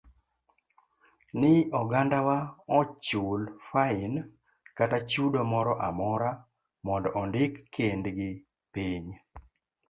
ni ogandawa ochul fain kata chudo moro amora mondo ondik kendgi piny.